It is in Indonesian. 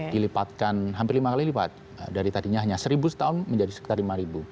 dilipatkan hampir lima kali lipat dari tadinya hanya seribu setahun menjadi sekitar lima ribu